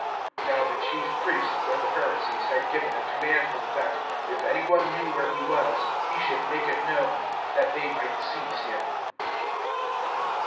(57)Now the chief priests and the Pharisees had given a commandment, that, if any one knew where he was, he should make it known, that they might seize him.